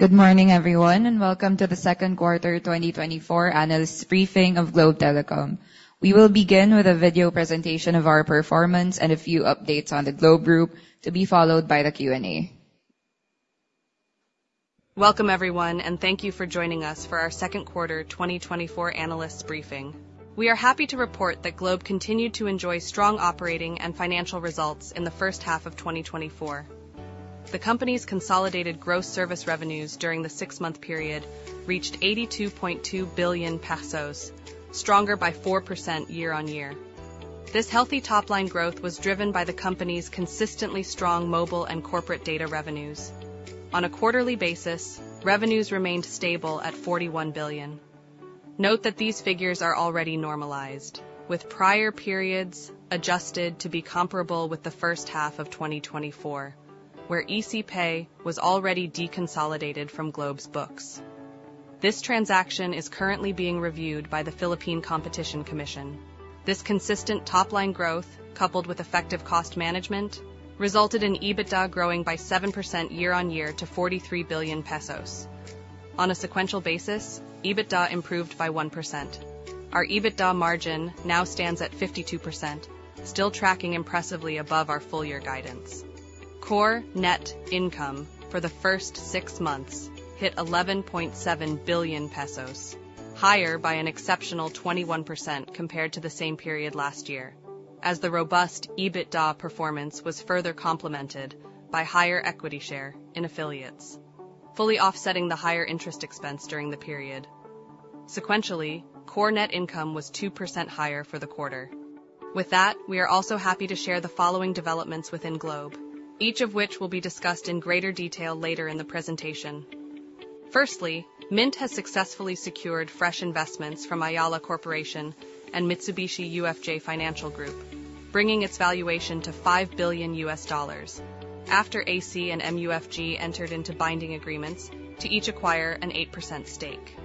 Good morning, everyone, and welcome to the Second Quarter 2024 Analysts Briefing of Globe Telecom. We will begin with a video presentation of our performance and a few updates on the Globe Group, to be followed by the Q&A. Welcome, everyone, and thank you for joining us for our Second Quarter 2024 Analysts Briefing. We are happy to report that Globe continued to enjoy strong operating and financial results in the first half of 2024. The company's consolidated gross service revenues during the six-month period reached 82.2 billion pesos, stronger by 4% year-on-year. This healthy top-line growth was driven by the company's consistently strong mobile and corporate data revenues. On a quarterly basis, revenues remained stable at PHP 41 billion. Note that these figures are already normalized, with prior periods adjusted to be comparable with the first half of 2024, where ECPay was already deconsolidated from Globe's books. This transaction is currently being reviewed by the Philippine Competition Commission. This consistent top-line growth, coupled with effective cost management, resulted in EBITDA growing by 7% year-on-year to 43 billion pesos. On a sequential basis, EBITDA improved by 1%. Our EBITDA margin now stands at 52%, still tracking impressively above our full year guidance. Core net income for the first six months hit 11.7 billion pesos, higher by an exceptional 21% compared to the same period last year, as the robust EBITDA performance was further complemented by higher equity share in affiliates, fully offsetting the higher interest expense during the period. Sequentially, core net income was 2% higher for the quarter. With that, we are also happy to share the following developments within Globe, each of which will be discussed in greater detail later in the presentation. Firstly, Mynt has successfully secured fresh investments from Ayala Corporation and Mitsubishi UFJ Financial Group, bringing its valuation to $5 billion. After AC and MUFG entered into binding agreements to each acquire an 8% stake.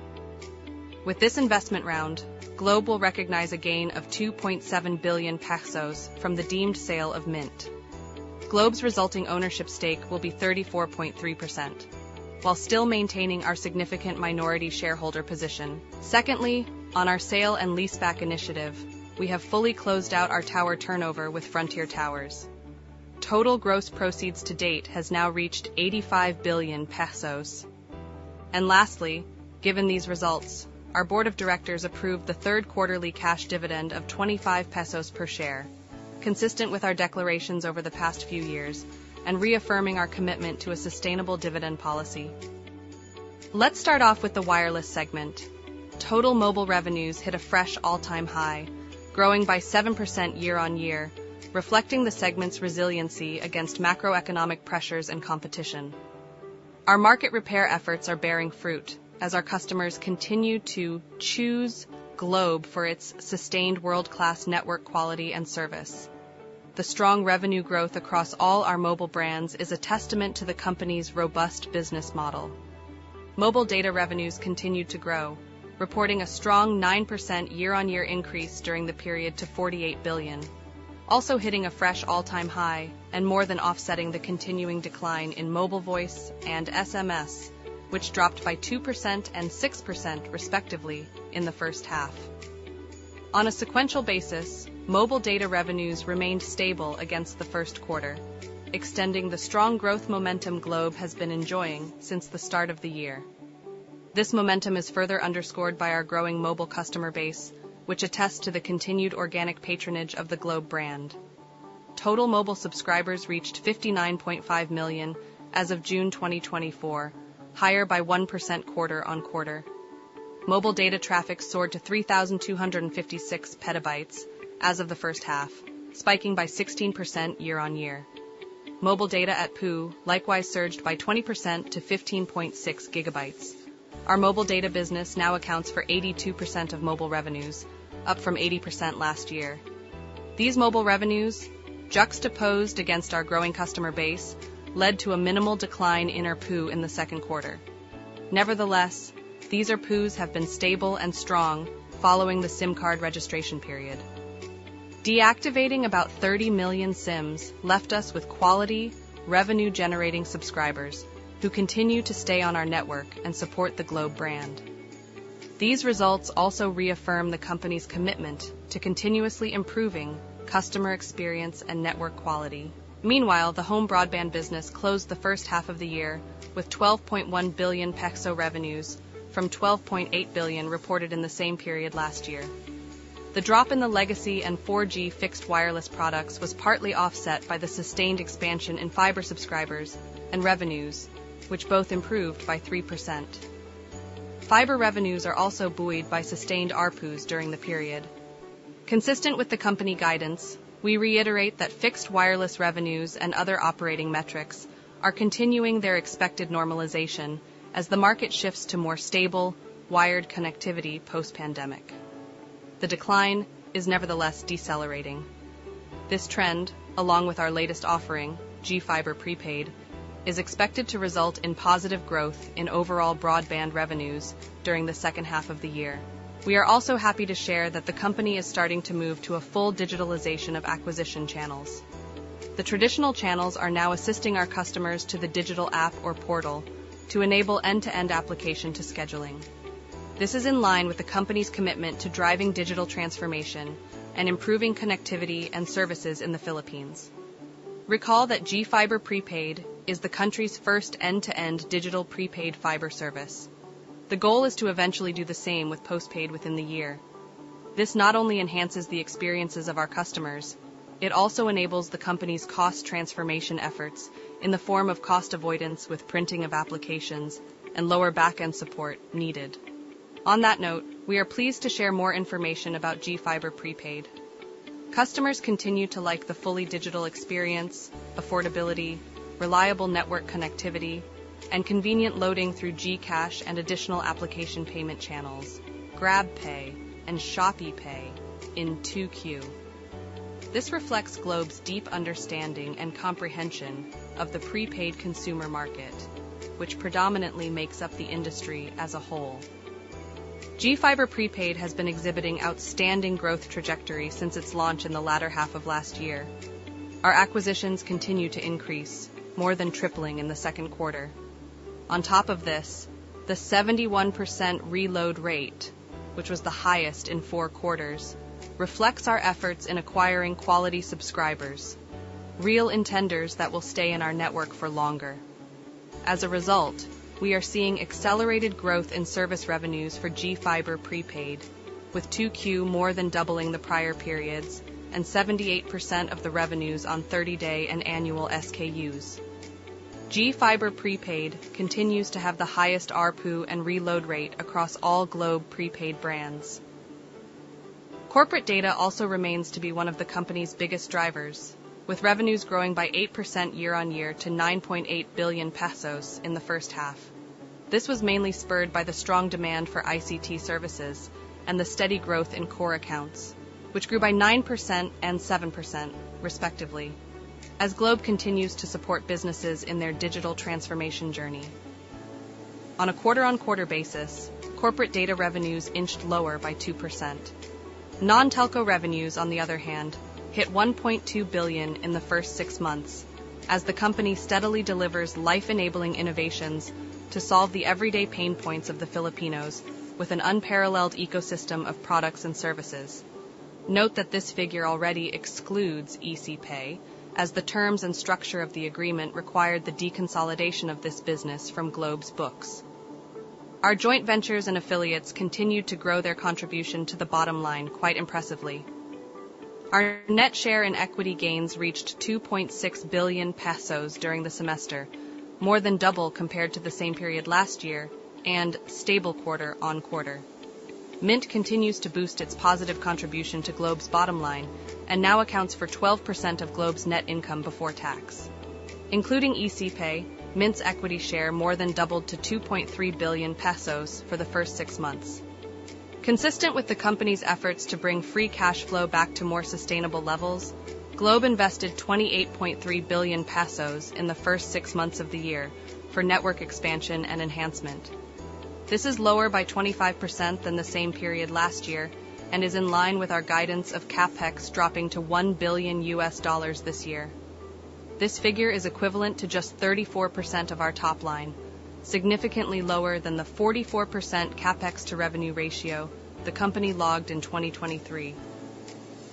With this investment round, Globe will recognize a gain of 2.7 billion pesos from the deemed sale of Mynt. Globe's resulting ownership stake will be 34.3%, while still maintaining our significant minority shareholder position. Secondly, on our sale and leaseback initiative, we have fully closed out our tower turnover with Frontier Towers. Total gross proceeds to date has now reached 85 billion pesos. And lastly, given these results, our board of directors approved the third quarterly cash dividend of 25 pesos per share, consistent with our declarations over the past few years and reaffirming our commitment to a sustainable dividend policy. Let's start off with the wireless segment. Total mobile revenues hit a fresh all-time high, growing by 7% year-on-year, reflecting the segment's resiliency against macroeconomic pressures and competition. Our market repair efforts are bearing fruit as our customers continue to choose Globe for its sustained world-class network quality and service. The strong revenue growth across all our mobile brands is a testament to the company's robust business model. Mobile data revenues continued to grow, reporting a strong 9% year-on-year increase during the period to 48 billion, also hitting a fresh all-time high and more than offsetting the continuing decline in mobile voice and SMS, which dropped by 2% and 6% respectively in the first half. On a sequential basis, mobile data revenues remained stable against the first quarter, extending the strong growth momentum Globe has been enjoying since the start of the year. This momentum is further underscored by our growing mobile customer base, which attests to the continued organic patronage of the Globe brand. Total mobile subscribers reached 59.5 million as of June 2024, higher by 1% quarter-on-quarter. Mobile data traffic soared to 3,256 PB as of the first half, spiking by 16% year-on-year. Mobile data ARPU likewise surged by 20% to 15.6 GB. Our mobile data business now accounts for 82% of mobile revenues, up from 80% last year. T hese mobile revenues, juxtaposed against our growing customer base, led to a minimal decline in ARPU in the second quarter. Nevertheless, these ARPUs have been stable and strong following the SIM card registration period. Deactivating about 30 million SIMs left us with quality, revenue-generating subscribers who continue to stay on our network and support the Globe brand. These results also reaffirm the company's commitment to continuously improving customer experience and network quality. Meanwhile, the home broadband business closed the first half of the year with 12.1 billion revenues from 12.8 billion reported in the same period last year. The drop in the legacy and 4G fixed wireless products was partly offset by the sustained expansion in fiber subscribers and revenues, which both improved by 3%. Fiber revenues are also buoyed by sustained ARPUs during the period. Consistent with the company guidance, we reiterate that fixed wireless revenues and other operating metrics are continuing their expected normalization as the market shifts to more stable wired connectivity post-pandemic. The decline is nevertheless decelerating. This trend, along with our latest offering, GFiber Prepaid, is expected to result in positive growth in overall broadband revenues during the second half of the year. We are also happy to share that the company is starting to move to a full digitalization of acquisition channels. The traditional channels are now assisting our customers to the digital app or portal to enable end-to-end application to scheduling. This is in line with the company's commitment to driving digital transformation and improving connectivity and services in the Philippines. Recall that GFiber Prepaid is the country's first end-to-end digital prepaid fiber service. The goal is to eventually do the same with postpaid within the year. This not only enhances the experiences of our customers, it also enables the company's cost transformation efforts in the form of cost avoidance with printing of applications and lower back-end support needed. On that note, we are pleased to share more information about GFiber Prepaid. Customers continue to like the fully digital experience, affordability, reliable network connectivity, and convenient loading through GCash and additional application payment channels, GrabPay and ShopeePay in 2Q. This reflects Globe's deep understanding and comprehension of the prepaid consumer market, which predominantly makes up the industry as a whole. GFiber Prepaid has been exhibiting outstanding growth trajectory since its launch in the latter half of last year. Our acquisitions continue to increase, more than tripling in the second quarter. On top of this, the 71% reload rate, which was the highest in 4 quarters, reflects our efforts in acquiring quality subscribers, real intenders that will stay in our network for longer. As a result, we are seeing accelerated growth in service revenues for GFiber Prepaid, with 2Q more than doubling the prior periods and 78% of the revenues on 30-day and annual SKUs. GFiber Prepaid continues to have the highest ARPU and reload rate across all Globe prepaid brands. Corporate data also remains to be one of the company's biggest drivers, with revenues growing by 8% year-on-year to 9.8 billion pesos in the first half. This was mainly spurred by the strong demand for ICT services and the steady growth in core accounts, which grew by 9% and 7%, respectively, as Globe continues to support businesses in their digital transformation journey. On a quarter-on-quarter basis, corporate data revenues inched lower by 2%. Non-telco revenues, on the other hand, hit 1.2 billion in the first six months as the company steadily delivers life-enabling innovations to solve the everyday pain points of the Filipinos with an unparalleled ecosystem of products and services. Note that this figure already excludes ECPay, as the terms and structure of the agreement required the deconsolidation of this business from Globe's books. Our joint ventures and affiliates continued to grow their contribution to the bottom line quite impressively. Our net share in equity gains reached 2.6 billion pesos during the semester, more than double compared to the same period last year and stable quarter-on-quarter. Mynt continues to boost its positive contribution to Globe's bottom line and now accounts for 12% of Globe's net income before tax. Including ECPay, Mynt's equity share more than doubled to 2.3 billion pesos for the first six months. Consistent with the company's efforts to bring free cash flow back to more sustainable levels, Globe invested 28.3 billion pesos in the first six months of the year for network expansion and enhancement. This is lower by 25% than the same period last year and is in line with our guidance of CapEx dropping to $1 billion this year. This figure is equivalent to just 34% of our top line, significantly lower than the 44% CapEx to revenue ratio the company logged in 2023.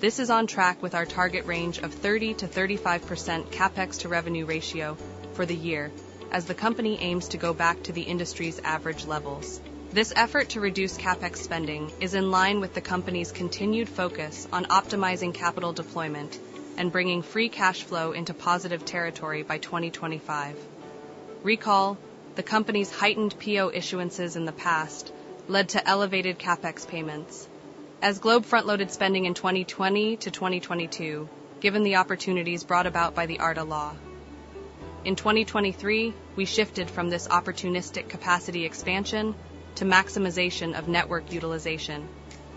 This is on track with our target range of 30%-35% CapEx to revenue ratio for the year as the company aims to go back to the industry's average levels. This effort to reduce CapEx spending is in line with the company's continued focus on optimizing capital deployment and bringing free cash flow into positive territory by 2025. Recall, the company's heightened PO issuances in the past led to elevated CapEx payments. As Globe front-loaded spending in 2020 to 2022, given the opportunities brought about by the ARTA Law. In 2023, we shifted from this opportunistic capacity expansion to maximization of network utilization,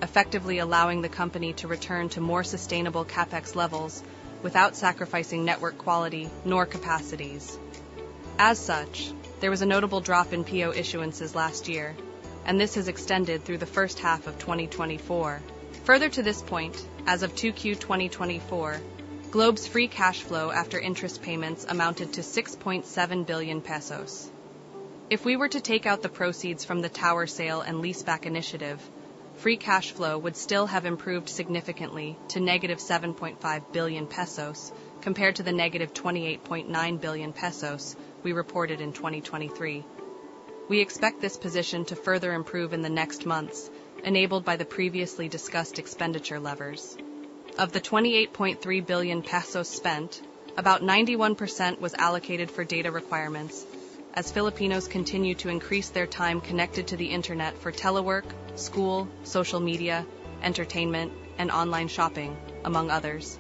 effectively allowing the company to return to more sustainable CapEx levels without sacrificing network quality nor capacities. As such, there was a notable drop in PO issuances last year, and this has extended through the first half of 2024. Further to this point, as of 2Q 2024, Globe's free cash flow after interest payments amounted to 6.7 billion pesos. If we were to take out the proceeds from the tower sale and leaseback initiative, free cash flow would still have improved significantly to -7.5 billion pesos, compared to the -28.9 billion pesos we reported in 2023. We expect this position to further improve in the next months, enabled by the previously discussed expenditure levers. Of the 28.3 billion pesos spent, about 91% was allocated for data requirements as Filipinos continue to increase their time connected to the internet for telework, school, social media, entertainment, and online shopping, among others.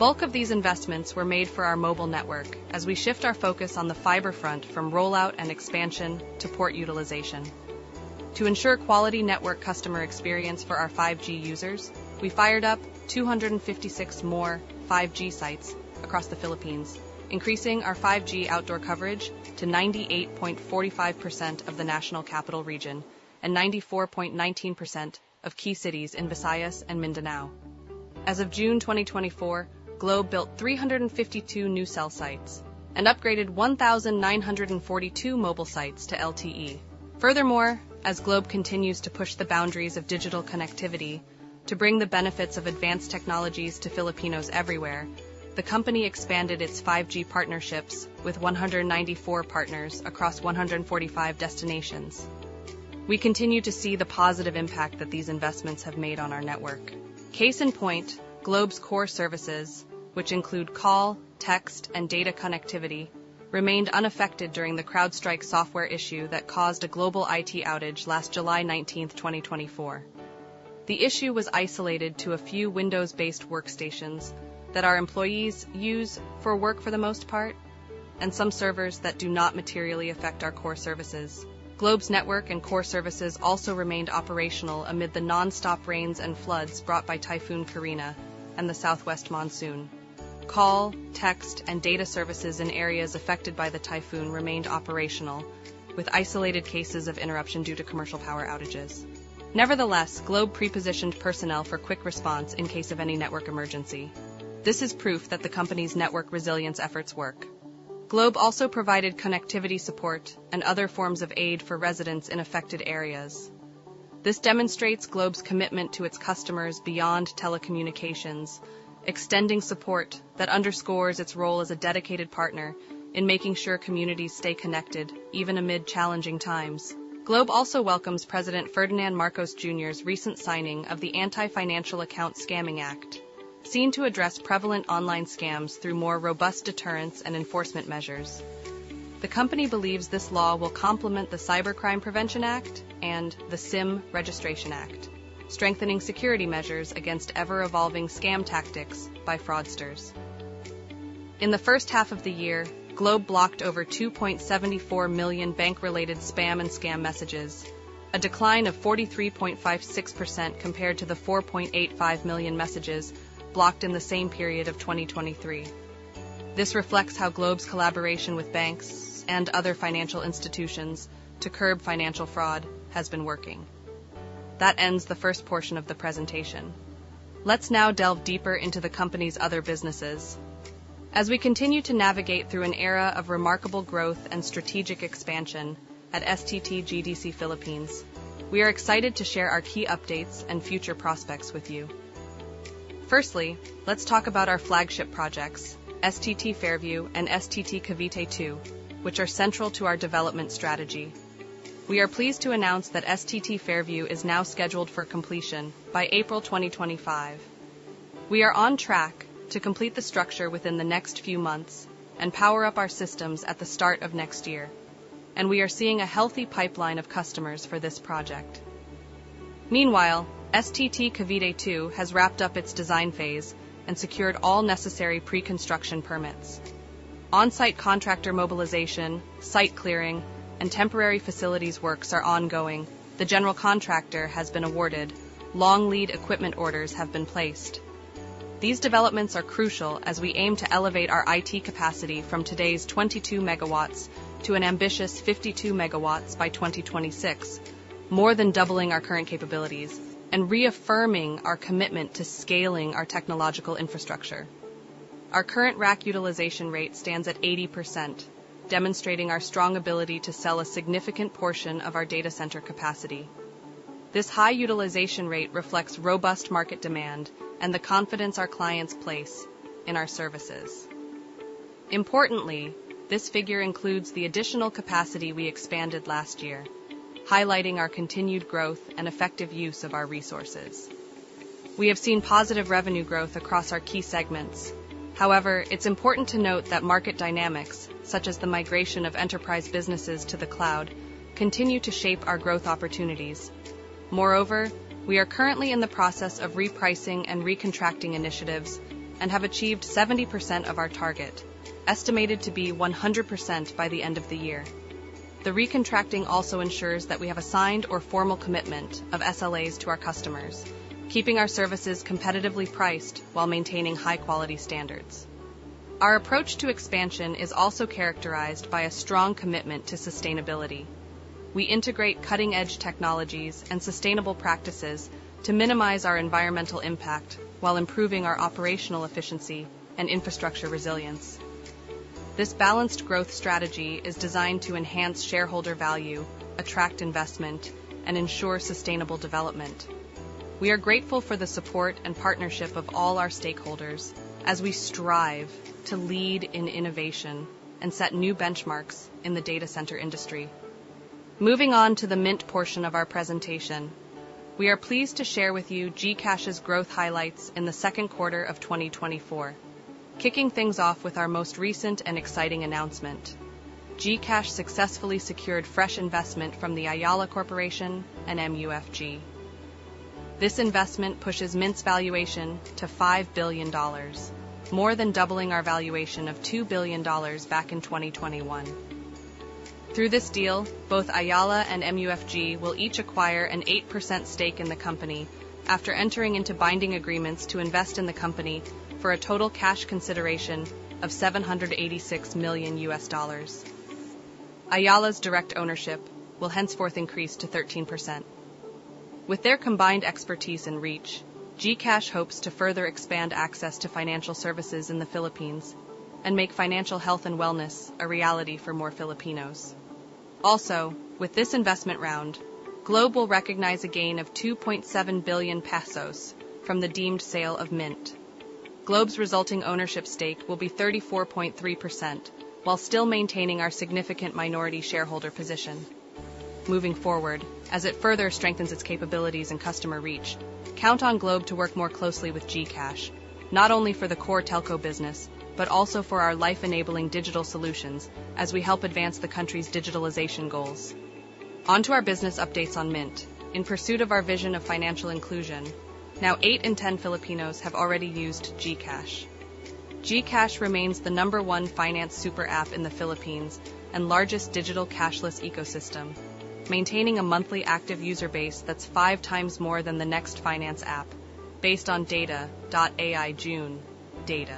Bulk of these investments were made for our mobile network as we shift our focus on the fiber front from rollout and expansion to port utilization. To ensure quality network customer experience for our 5G users, we fired up 256 more 5G sites across the Philippines, increasing our 5G outdoor coverage to 98.45% of the National Capital Region and 94.19% of key cities in Visayas and Mindanao.... As of June 2024, Globe built 352 new cell sites and upgraded 1,942 mobile sites to LTE. Furthermore, as Globe continues to push the boundaries of digital connectivity to bring the benefits of advanced technologies to Filipinos everywhere, the company expanded its 5G partnerships with 194 partners across 145 destinations. We continue to see the positive impact that these investments have made on our network. Case in point, Globe's core services, which include call, text, and data connectivity, remained unaffected during the CrowdStrike software issue that caused a global IT outage last July 19, 2024. The issue was isolated to a few Windows-based workstations that our employees use for work, for the most part, and some servers that do not materially affect our core services. Globe's network and core services also remained operational amid the nonstop rains and floods brought by Typhoon Carina and the southwest monsoon. Call, text, and data services in areas affected by the typhoon remained operational, with isolated cases of interruption due to commercial power outages. Nevertheless, Globe pre-positioned personnel for quick response in case of any network emergency. This is proof that the company's network resilience efforts work. Globe also provided connectivity support and other forms of aid for residents in affected areas. This demonstrates Globe's commitment to its customers beyond telecommunications, extending support that underscores its role as a dedicated partner in making sure communities stay connected, even amid challenging times. Globe also welcomes President Ferdinand Marcos Jr.'s recent signing of the Anti-Financial Account Scamming Act, seen to address prevalent online scams through more robust deterrence and enforcement measures. The company believes this law will complement the Cybercrime Prevention Act and the SIM Registration Act, strengthening security measures against ever-evolving scam tactics by fraudsters. In the first half of the year, Globe blocked over 2.74 million bank-related spam and scam messages, a decline of 43.56% compared to the 4.85 million messages blocked in the same period of 2023. This reflects how Globe's collaboration with banks and other financial institutions to curb financial fraud has been working. That ends the first portion of the presentation. Let's now delve deeper into the company's other businesses. As we continue to navigate through an era of remarkable growth and strategic expansion at STT GDC Philippines, we are excited to share our key updates and future prospects with you. Firstly, let's talk about our flagship projects, STT Fairview and STT Cavite 2, which are central to our development strategy. We are pleased to announce that STT Fairview is now scheduled for completion by April 2025. We are on track to complete the structure within the next few months and power up our systems at the start of next year, and we are seeing a healthy pipeline of customers for this project. Meanwhile, STT Cavite 2 has wrapped up its design phase and secured all necessary pre-construction permits. On-site contractor mobilization, site clearing, and temporary facilities works are ongoing. The general contractor has been awarded. Long-lead equipment orders have been placed. These developments are crucial as we aim to elevate our IT capacity from today's 22 MW to an ambitious 52 MW by 2026, more than doubling our current capabilities and reaffirming our commitment to scaling our technological infrastructure. Our current rack utilization rate stands at 80%, demonstrating our strong ability to sell a significant portion of our data center capacity. This high utilization rate reflects robust market demand and the confidence our clients place in our services. Importantly, this figure includes the additional capacity we expanded last year, highlighting our continued growth and effective use of our resources. We have seen positive revenue growth across our key segments. However, it's important to note that market dynamics, such as the migration of enterprise businesses to the cloud, continue to shape our growth opportunities. Moreover, we are currently in the process of repricing and recontracting initiatives and have achieved 70% of our target, estimated to be 100% by the end of the year. The recontracting also ensures that we have a signed or formal commitment of SLAs to our customers, keeping our services competitively priced while maintaining high-quality standards. Our approach to expansion is also characterized by a strong commitment to sustainability. We integrate cutting-edge technologies and sustainable practices to minimize our environmental impact while improving our operational efficiency and infrastructure resilience. This balanced growth strategy is designed to enhance shareholder value, attract investment, and ensure sustainable development. We are grateful for the support and partnership of all our stakeholders as we strive to lead in innovation and set new benchmarks in the data center industry. Moving on to the Mynt portion of our presentation, we are pleased to share with you GCash's growth highlights in the second quarter of 2024. Kicking things off with our most recent and exciting announcement, GCash successfully secured fresh investment from the Ayala Corporation and MUFG. This investment pushes Mynt's valuation to $5 billion, more than doubling our valuation of $2 billion back in 2021. Through this deal, both Ayala and MUFG will each acquire an 8% stake in the company after entering into binding agreements to invest in the company for a total cash consideration of $786 million.... Ayala's direct ownership will henceforth increase to 13%. With their combined expertise and reach, GCash hopes to further expand access to financial services in the Philippines and make financial health and wellness a reality for more Filipinos. Also, with this investment round, Globe will recognize a gain of 2.7 billion pesos from the deemed sale of Mynt. Globe's resulting ownership stake will be 34.3%, while still maintaining our significant minority shareholder position. Moving forward, as it further strengthens its capabilities and customer reach, count on Globe to work more closely with GCash, not only for the core telco business, but also for our life-enabling digital solutions as we help advance the country's digitalization goals. On to our business updates on Mynt. In pursuit of our vision of financial inclusion, now eight in 10 Filipinos have already used GCash. GCash remains the number one finance super app in the Philippines and largest digital cashless ecosystem, maintaining a monthly active user base that's five times more than the next finance app based on data.ai June data.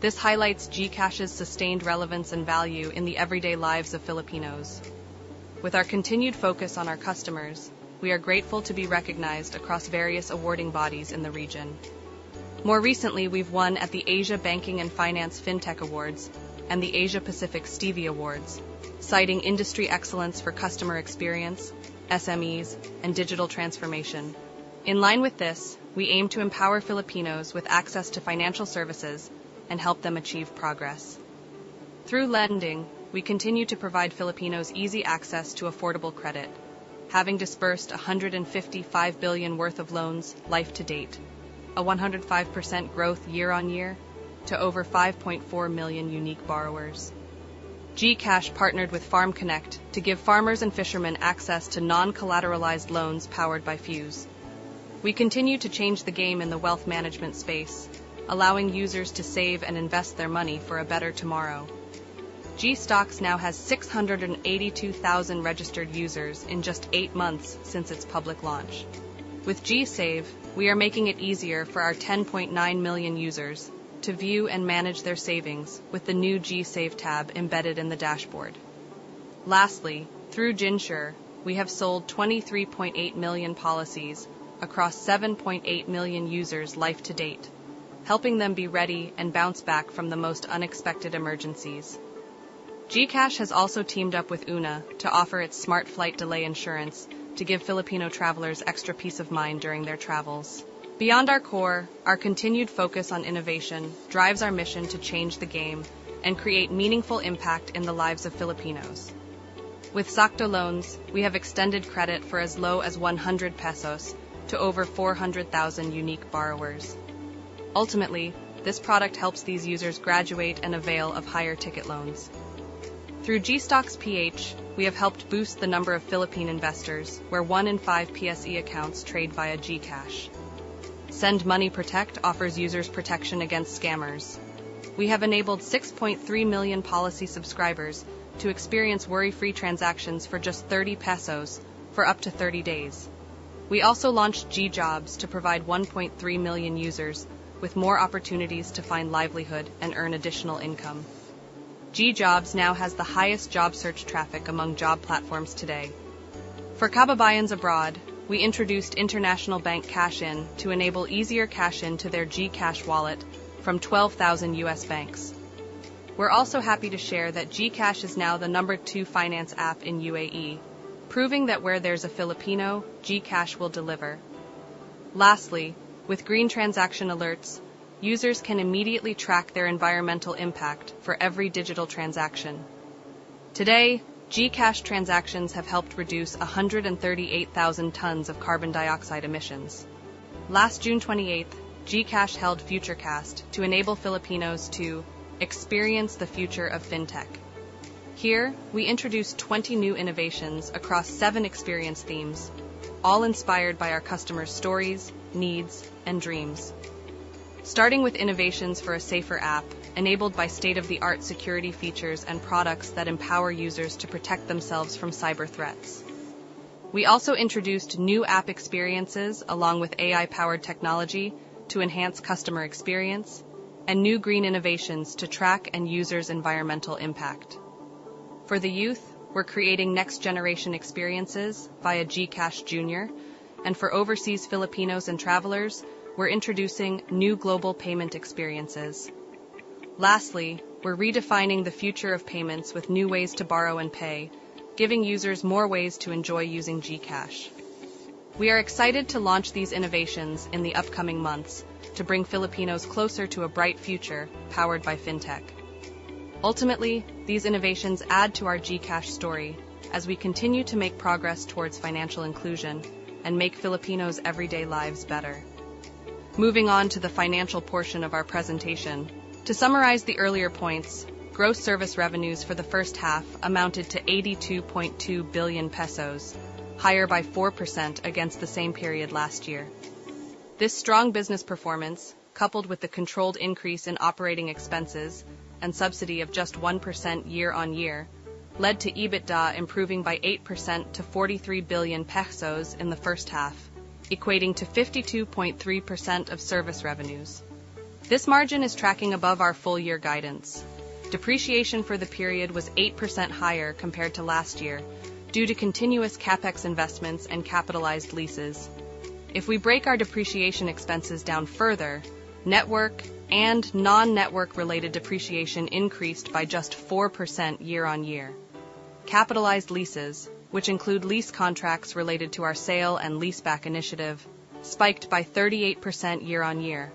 This highlights GCash's sustained relevance and value in the everyday lives of Filipinos. With our continued focus on our customers, we are grateful to be recognized across various awarding bodies in the region. More recently, we've won at the Asia Banking & Finance Fintech Awards and the Asia-Pacific Stevie Awards, citing industry excellence for customer experience, SMEs, and digital transformation. In line with this, we aim to empower Filipinos with access to financial services and help them achieve progress. Through lending, we continue to provide Filipinos easy access to affordable credit, having disbursed 155 billion worth of loans life to date, a 105% growth year-on-year to over 5.4 million unique borrowers. GCash partnered with FarmConnect to give farmers and fishermen access to non-collateralized loans powered by Fuse. We continue to change the game in the wealth management space, allowing users to save and invest their money for a better tomorrow. GStocks now has 682,000 registered users in just eight months since its public launch. With GSave, we are making it easier for our 10.9 million users to view and manage their savings with the new GSave tab embedded in the dashboard. Lastly, through GInsure, we have sold 23.8 million policies across 7.8 million users life to date, helping them be ready and bounce back from the most unexpected emergencies. GCash has also teamed up with Oona to offer its smart flight delay insurance to give Filipino travelers extra peace of mind during their travels. Beyond our core, our continued focus on innovation drives our mission to change the game and create meaningful impact in the lives of Filipinos. With Sakto Loans, we have extended credit for as low as 100 pesos to over 400,000 unique borrowers. Ultimately, this product helps these users graduate and avail of higher-ticket loans. Through GStocks PH, we have helped boost the number of Philippine investors, where one in five PSE accounts trade via GCash. Send Money Protect offers users protection against scammers. We have enabled 6.3 million policy subscribers to experience worry-free transactions for just 30 pesos for up to 30 days. We also launched GJobs to provide 1.3 million users with more opportunities to find livelihood and earn additional income. GJobs now has the highest job search traffic among job platforms today. For kababayans abroad, we introduced International Bank Cash In to enable easier cash in to their GCash wallet from 12,000 U.S. banks. We're also happy to share that GCash is now the number two finance app in UAE, proving that where there's a Filipino, GCash will deliver. Lastly, with Green Transaction Alerts, users can immediately track their environmental impact for every digital transaction. Today, GCash transactions have helped reduce 138,000 tons of carbon dioxide emissions. Last June 28th, GCash held FutureCast to enable Filipinos to experience the future of fintech. Here, we introduced 20 new innovations across seven experience themes, all inspired by our customers' stories, needs, and dreams. Starting with innovations for a safer app, enabled by state-of-the-art security features and products that empower users to protect themselves from cyber threats. We also introduced new app experiences, along with AI-powered technology, to enhance customer experience, and new green innovations to track a user's environmental impact. For the youth, we're creating next-generation experiences via GCash Jr., and for overseas Filipinos and travelers, we're introducing new global payment experiences. Lastly, we're redefining the future of payments with new ways to borrow and pay, giving users more ways to enjoy using GCash. We are excited to launch these innovations in the upcoming months to bring Filipinos closer to a bright future powered by fintech. Ultimately, these innovations add to our GCash story as we continue to make progress towards financial inclusion and make Filipinos' everyday lives better. Moving on to the financial portion of our presentation. To summarize the earlier points, gross service revenues for the first half amounted to 82.2 billion pesos, higher by 4% against the same period last year. This strong business performance, coupled with the controlled increase in operating expenses and subsidy of just 1% year-on-year, led to EBITDA improving by 8% to 43 billion pesos in the first half, equating to 52.3% of service revenues. This margin is tracking above our full year guidance. Depreciation for the period was 8% higher compared to last year, due to continuous CapEx investments and capitalized leases. If we break our depreciation expenses down further, network and non-network related depreciation increased by just 4% year-on-year. Capitalized leases, which include lease contracts related to our sale and leaseback initiative, spiked by 38% year-on-year.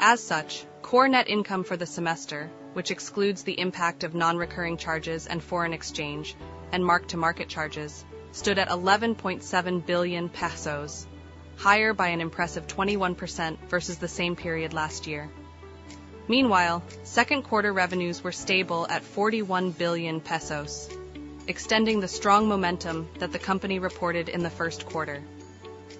As such, core net income for the semester, which excludes the impact of non-recurring charges and foreign exchange, and mark-to-market charges, stood at 11.7 billion pesos, higher by an impressive 21% versus the same period last year. Meanwhile, second quarter revenues were stable at 41 billion pesos, extending the strong momentum that the company reported in the first quarter.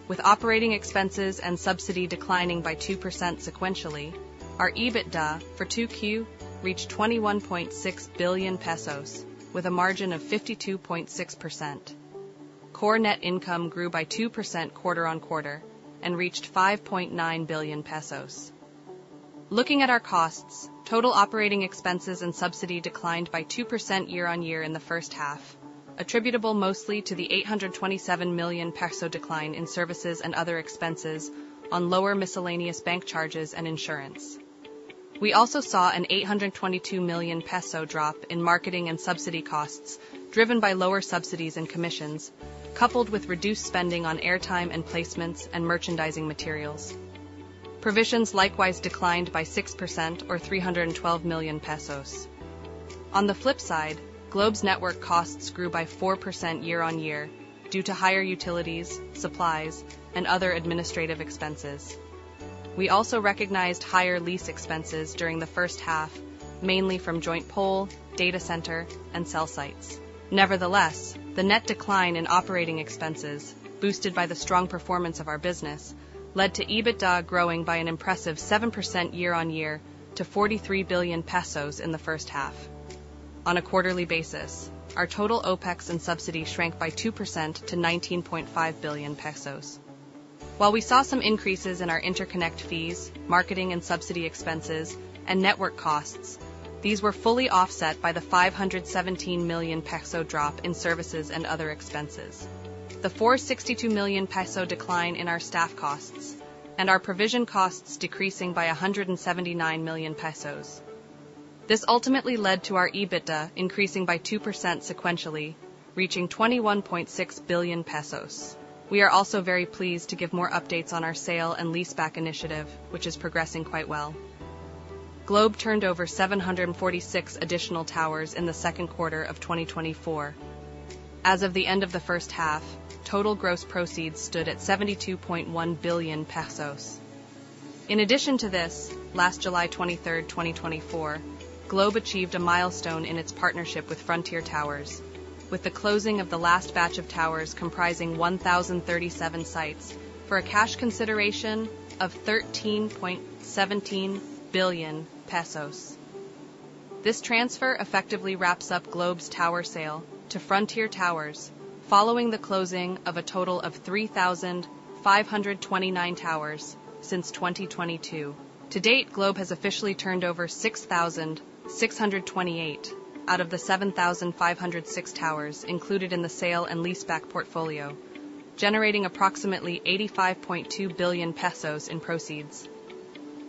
With operating expenses and subsidy declining by 2% sequentially, our EBITDA for 2Q reached 21.6 billion pesos, with a margin of 52.6%. Core net income grew by 2% quarter-on-quarter and reached 5.9 billion pesos. Looking at our costs, total operating expenses and subsidy declined by 2% year-on-year in the first half, attributable mostly to the 827 million peso decline in services and other expenses on lower miscellaneous bank charges and insurance. We also saw a 822 million peso drop in marketing and subsidy costs, driven by lower subsidies and commissions, coupled with reduced spending on airtime and placements and merchandising materials. Provisions likewise declined by 6% or 312 million pesos. On the flip side, Globe's network costs grew by 4% year-on-year due to higher utilities, supplies, and other administrative expenses. We also recognized higher lease expenses during the first half, mainly from joint pole, data center, and cell sites. Nevertheless, the net decline in operating expenses, boosted by the strong performance of our business, led to EBITDA growing by an impressive 7% year-on-year to 43 billion pesos in the first half. On a quarterly basis, our total OpEx and subsidy shrank by 2% to 19.5 billion pesos. While we saw some increases in our interconnect fees, marketing and subsidy expenses, and network costs, these were fully offset by the 517 million peso drop in services and other expenses. The 462 million peso decline in our staff costs and our provision costs decreasing by 179 million pesos. This ultimately led to our EBITDA increasing by 2% sequentially, reaching 21.6 billion pesos. We are also very pleased to give more updates on our sale and leaseback initiative, which is progressing quite well. Globe turned over 746 additional towers in the second quarter of 2024. As of the end of the first half, total gross proceeds stood at 72.1 billion pesos. In addition to this, last July 23rd, 2024, Globe achieved a milestone in its partnership with Frontier Towers, with the closing of the last batch of towers comprising 1,037 sites, for a cash consideration of 13.17 billion pesos. This transfer effectively wraps up Globe's tower sale to Frontier Towers, following the closing of a total of 3,529 towers since 2022. To date, Globe has officially turned over 6,628 out of the 7,506 towers included in the sale and leaseback portfolio, generating approximately 85.2 billion pesos in proceeds.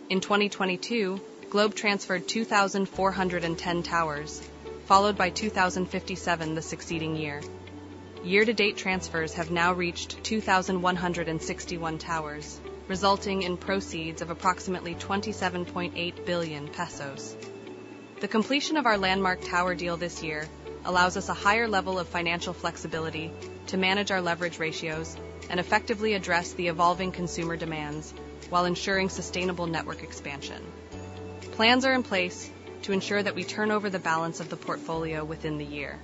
In 2022, Globe transferred 2,410 towers, followed by 2,057 the succeeding year. Year-to-date transfers have now reached 2,161 towers, resulting in proceeds of approximately 27.8 billion pesos. The completion of our landmark tower deal this year allows us a higher level of financial flexibility to manage our leverage ratios and effectively address the evolving consumer demands while ensuring sustainable network expansion. Plans are in place to ensure that we turn over the balance of the portfolio within the year.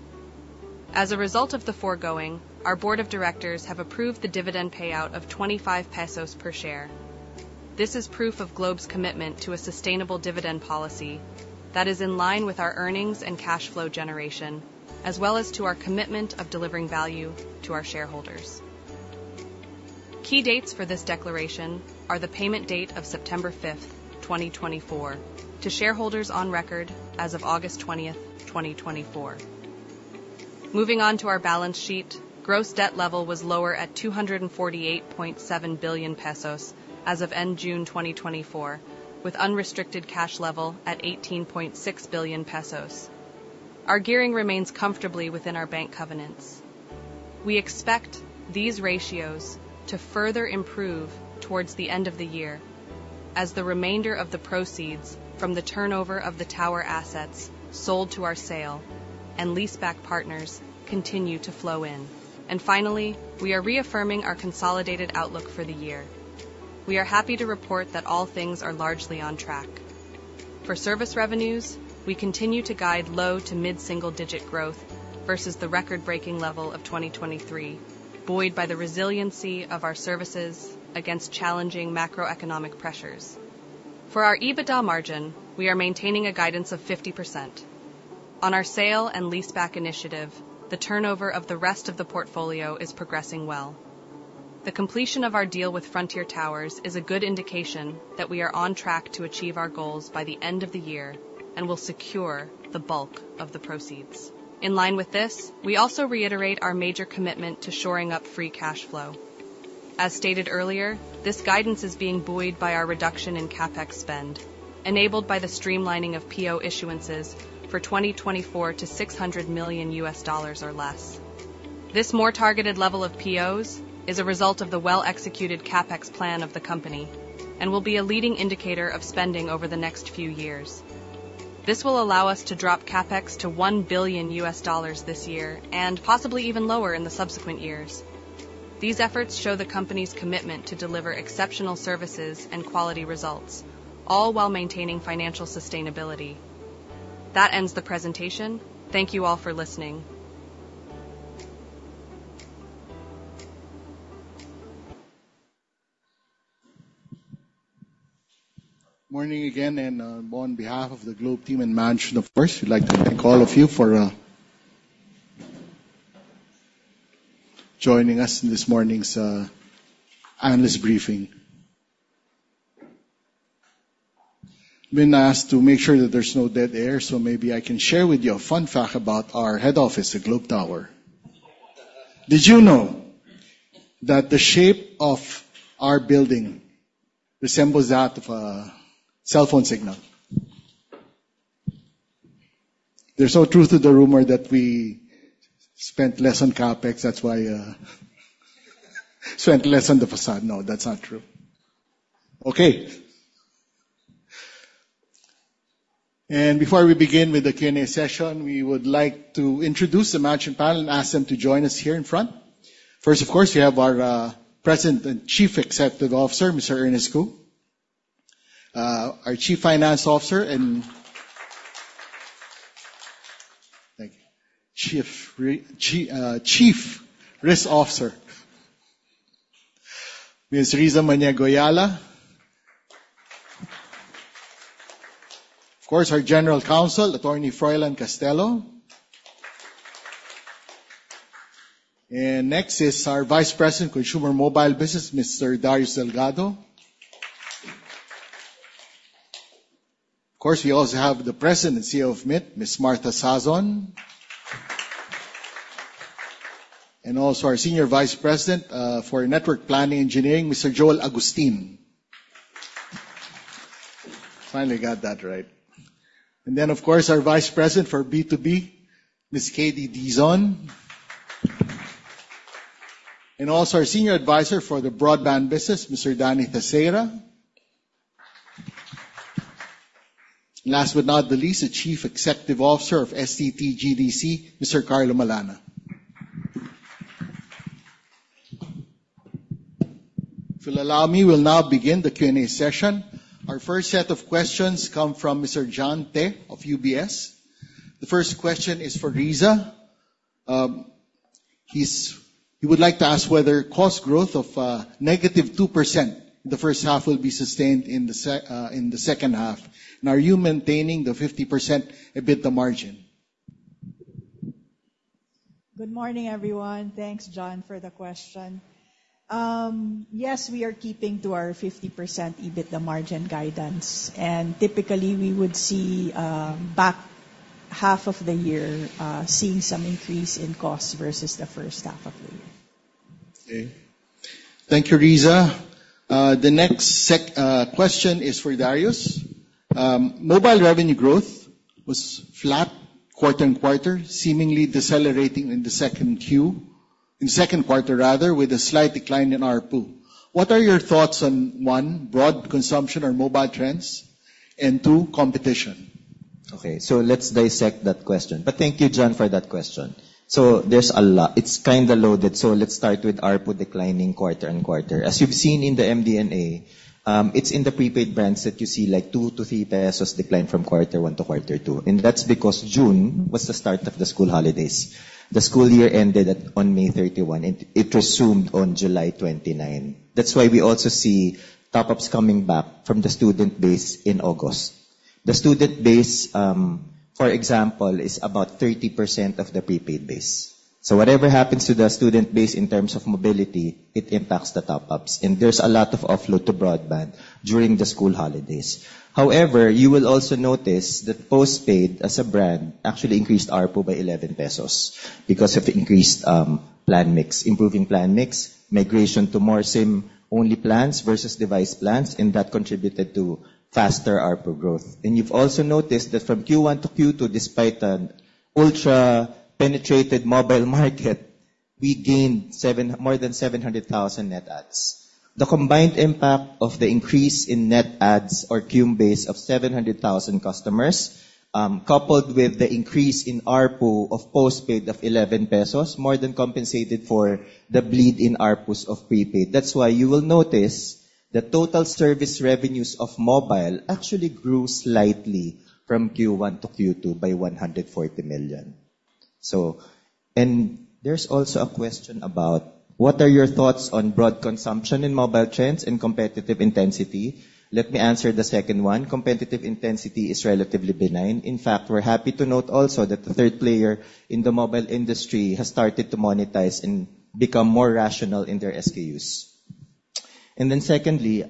As a result of the foregoing, our board of directors have approved the dividend payout of 25 pesos per share. This is proof of Globe's commitment to a sustainable dividend policy that is in line with our earnings and cash flow generation, as well as to our commitment of delivering value to our shareholders. Key dates for this declaration are the payment date of September 5th, 2024, to shareholders on record as of August 20th, 2024. Moving on to our balance sheet, gross debt level was lower at 248.7 billion pesos as of end June 2024, with unrestricted cash level at 18.6 billion pesos. Our gearing remains comfortably within our bank covenants. We expect these ratios to further improve towards the end of the year as the remainder of the proceeds from the turnover of the tower assets sold to our sale and leaseback partners continue to flow in. Finally, we are reaffirming our consolidated outlook for the year. We are happy to report that all things are largely on track. For service revenues, we continue to guide low to mid-single digit growth versus the record-breaking level of 2023, buoyed by the resiliency of our services against challenging macroeconomic pressures. For our EBITDA margin, we are maintaining a guidance of 50%. On our sale and leaseback initiative, the turnover of the rest of the portfolio is progressing well. The completion of our deal with Frontier Towers is a good indication that we are on track to achieve our goals by the end of the year and will secure the bulk of the proceeds. In line with this, we also reiterate our major commitment to shoring up free cash flow. As stated earlier, this guidance is being buoyed by our reduction in CapEx spend, enabled by the streamlining of PO issuances for 2024 to $600 million or less. This more targeted level of POs is a result of the well-executed CapEx plan of the company and will be a leading indicator of spending over the next few years. This will allow us to drop CapEx to $1 billion this year and possibly even lower in the subsequent years. These efforts show the company's commitment to deliver exceptional services and quality results, all while maintaining financial sustainability. That ends the presentation. Thank you all for listening. Morning again, and on behalf of the Globe team and management, of course, we'd like to thank all of you for joining us in this morning's analyst briefing. I've been asked to make sure that there's no dead air, so maybe I can share with you a fun fact about our head office, the Globe Tower. Did you know that the shape of our building resembles that of a cell phone signal? There's no truth to the rumor that we spent less on CapEx, that's why spent less on the facade. No, that's not true. Okay. Before we begin with the Q&A session, we would like to introduce the management panel and ask them to join us here in front. First, of course, we have our President and Chief Executive Officer, Mr. Ernest Cu. Our Chief Finance Officer and—thank you. Chief Risk Officer, Miss Rizza Maniego-Eala. Of course, our General Counsel, Attorney Froilan Castelo. And next is our Vice President, Consumer Mobile Business, Mr. Darius Delgado. Of course, we also have the President and CEO of Mynt, Miss Martha Sazon. And also our Senior Vice President, for Network Planning Engineering, Mr. Joel Agustin. Finally got that right. And then, of course, our Vice President for B2B, Miss KD Dizon. And also our Senior Advisor for the Broadband Business, Mr. Danny Tacderas. Last but not the least, the Chief Executive Officer of STT GDC, Mr. Carlo Malana. If you'll allow me, we'll now begin the Q&A session. Our first set of questions come from Mr. John Te of UBS. The first question is for Rizza. He would like to ask whether cost growth of -2%, the first half will be sustained in the second half. And are you maintaining the 50% EBITDA margin? Good morning, everyone. Thanks, John, for the question. Yes, we are keeping to our 50% EBITDA margin guidance, and typically, we would see, back half of the year, seeing some increase in cost versus the first half of the year. Okay. Thank you, Rizza. The next sec, question is for Darius. Mobile revenue growth was flat quarter and quarter, seemingly decelerating in the second Q, in second quarter, rather, with a slight decline in ARPU. What are your thoughts on, one, broad consumption or mobile trends, and two, competition? Okay, so let's dissect that question. But thank you, John, for that question. So there's a lot. It's kinda loaded, so let's start with ARPU declining quarter and quarter. As you've seen in the MD&A, it's in the prepaid brands that you see, like 2-3 pesos decline from quarter one to quarter two, and that's because June was the start of the school holidays. The school year ended on May 31, and it resumed on July 29. That's why we also see top-ups coming back from the student base in August. The student base, for example, is about 30% of the prepaid base. So whatever happens to the student base in terms of mobility, it impacts the top-ups, and there's a lot of offload to broadband during the school holidays. However, you will also notice that postpaid as a brand actually increased ARPU by 11 pesos because of increased plan mix, improving plan mix, migration to more SIM-only plans versus device plans, and that contributed to faster ARPU growth. You've also noticed that from Q1 to Q2, despite an ultra-penetrated mobile market, we gained more than 700,000 net adds. The combined impact of the increase in net adds or cum base of 700,000 customers, coupled with the increase in ARPU of postpaid of 11 pesos, more than compensated for the bleed in ARPUs of prepaid. That's why you will notice the total service revenues of mobile actually grew slightly from Q1 to Q2 by 140 million. So, there's also a question about: what are your thoughts on broad consumption in mobile trends and competitive intensity? Let me answer the second one. Competitive intensity is relatively benign. In fact, we're happy to note also that the third player in the mobile industry has started to monetize and become more rational in their SKUs. And then secondly,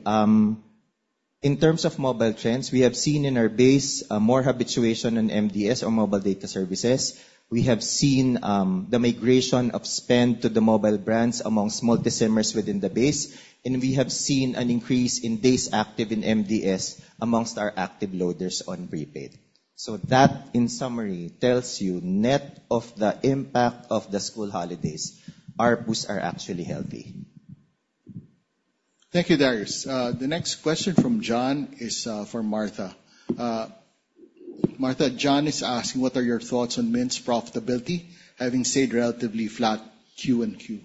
in terms of mobile trends, we have seen in our base, more habituation on MDS or Mobile Data Services. We have seen, the migration of spend to the mobile brands amongst multi-SIMmers within the base, and we have seen an increase in days active in MDS amongst our active loaders on prepaid. So that, in summary, tells you net of the impact of the school holidays, our boosts are actually healthy. Thank you, Darius. The next question from John is for Martha. Martha, John is asking: what are your thoughts on Mynt's profitability, having stayed relatively flat Q and Q?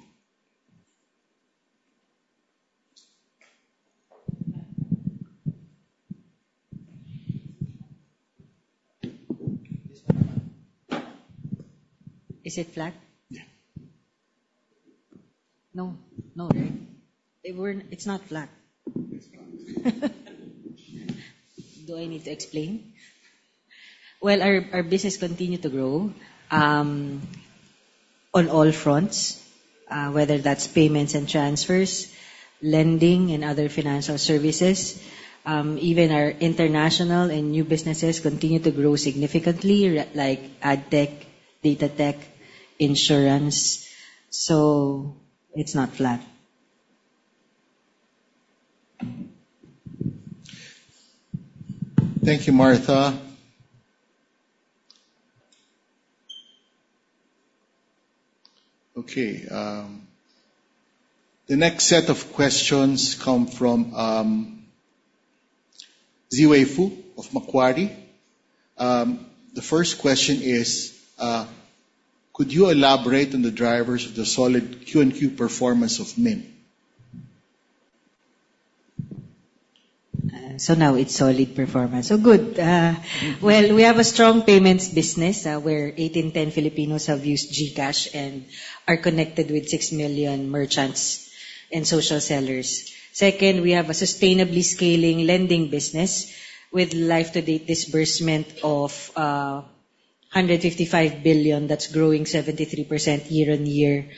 Is it flat? Yeah. No. No, right? It's not flat. Do I need to explain? Well, our business continue to grow on all fronts, whether that's payments and transfers, lending, and other financial services. Even our international and new businesses continue to grow significantly, like ad tech, data tech, insurance. So it's not flat. Thank you, Martha. Okay, the next set of questions come from Zhiwei Foo of Macquarie. The first question is: could you elaborate on the drivers of the solid Q&Q performance of Mynt? Now it's solid performance. So good. Well, we have a strong payments business, where eight in 10 Filipinos have used GCash and are connected with 6 million merchants and social sellers. Second, we have a sustainably scaling lending business with life-to-date disbursement of 155 billion, that's growing 73% year-on-year,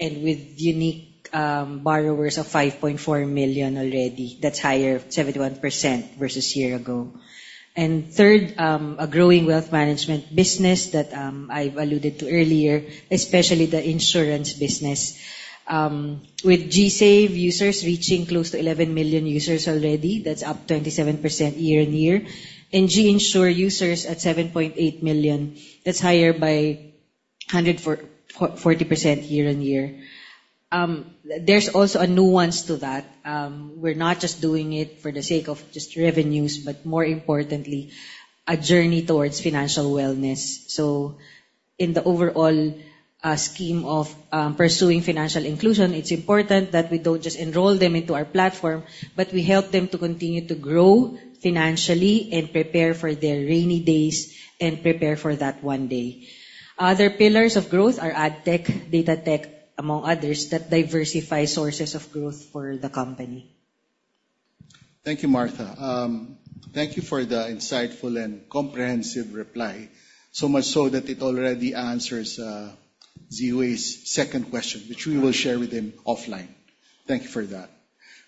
and with unique borrowers of 5.4 million already. That's higher 71% versus year ago. And third, a growing wealth management business that I've alluded to earlier, especially the insurance business. With GSave users reaching close to 11 million users already, that's up 27% year-on-year, and GInsure users at 7.8 million, that's higher by 140% year-on-year. There's also a nuance to that. We're not just doing it for the sake of just revenues, but more importantly, a journey towards financial wellness. So in the overall scheme of pursuing financial inclusion, it's important that we don't just enroll them into our platform, but we help them to continue to grow financially and prepare for their rainy days and prepare for that one day. Other pillars of growth are AdTech, DataTech, among others, that diversify sources of growth for the company. Thank you, Martha. Thank you for the insightful and comprehensive reply. So much so that it already answers Zhiwei's second question, which we will share with him offline. Thank you for that.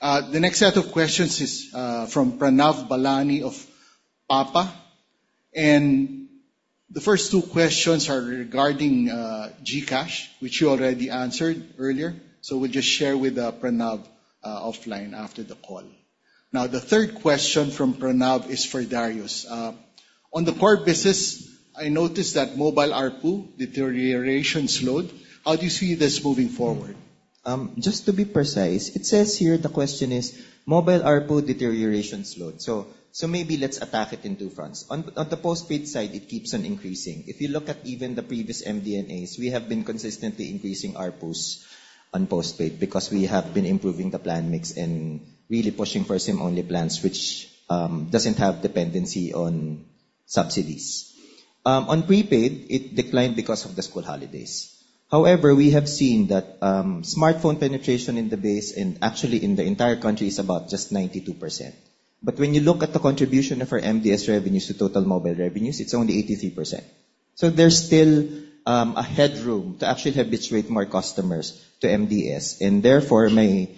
The next set of questions is from Pranav Balani of Papa, and the first two questions are regarding GCash, which you already answered earlier, so we'll just share with Pranav offline after the call. Now, the third question from Pranav is for Darius. On the core business, I noticed that mobile ARPU deterioration slowed. How do you see this moving forward? Just to be precise, it says here the question is mobile ARPU deterioration slowed. So maybe let's attack it in two fronts. On the postpaid side, it keeps on increasing. If you look at even the previous MD&As, we have been consistently increasing ARPUs on postpaid because we have been improving the plan mix and really pushing for SIM-only plans, which doesn't have dependency on subsidies. On prepaid, it declined because of the school holidays. However, we have seen that smartphone penetration in the base and actually in the entire country is about just 92%. But when you look at the contribution of our MDS revenues to total mobile revenues, it's only 83%. So there's still a headroom to actually habituate more customers to MDS, and therefore, my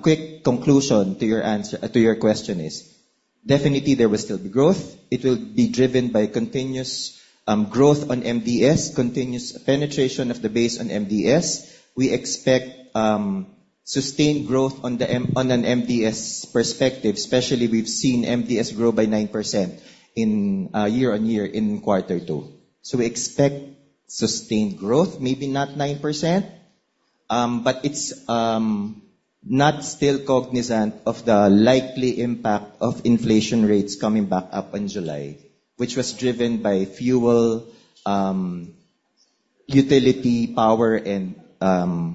quick conclusion to your answer—to your question is, definitely there will still be growth. It will be driven by continuous growth on MDS, continuous penetration of the base on MDS. We expect sustained growth on an MDS perspective, especially, we've seen MDS grow by 9% in year-on-year in quarter two. So we expect sustained growth, maybe not 9%, but it's not still cognizant of the likely impact of inflation rates coming back up in July, which was driven by fuel, utility, power, and